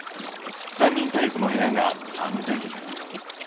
３人タイプの部屋が３０００円。